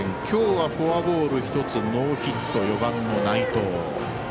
今日はフォアボール１つノーヒット４番の内藤。